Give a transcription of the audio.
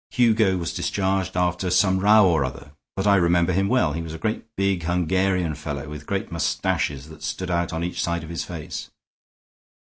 Hugo was discharged after some row or other; but I remember him well. He was a great big Hungarian fellow with great mustaches that stood out on each side of his face."